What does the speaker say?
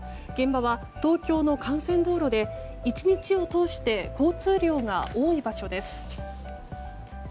現場は東京の幹線道路で１日を通して交通量が多い場所です。